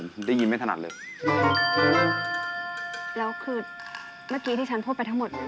ไม่ได้ยินเลยหรอ